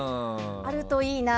あるといいな。